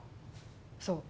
そう。